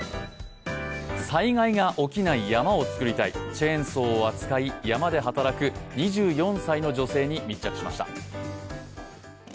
災害が起きない山を作りたい、チェーンソーを扱い、山で働く２４歳の女性に密着しました。